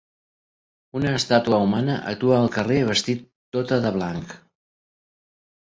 Una estàtua humana actua al carrer vestit tota de blanc.